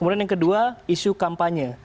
kemudian yang kedua isu kampanye